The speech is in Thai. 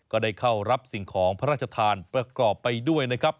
ก็ได้เข้ารับสิ่งของพระราชทานประกอบไปด้วยนะครับ